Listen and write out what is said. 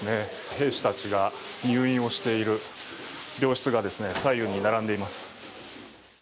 兵士たちが入院をしている病室が左右に並んでいます。